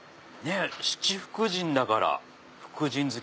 七福神だから福神漬け。